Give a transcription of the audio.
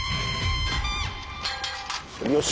よし！